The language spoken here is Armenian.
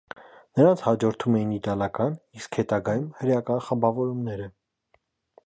Նրանց հաջորդում էին իտալական , իսկ հետագայում հրեական խմբավորումները։